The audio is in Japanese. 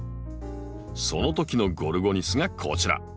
そのときのゴルゴニスがこちら。